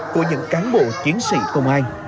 của những cán bộ chiến sĩ công an